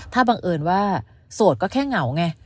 ถ้าบังเอิญว่าโสดก็แค่เหงาไง